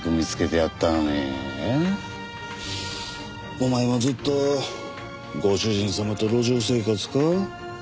お前もずっとご主人様と路上生活か？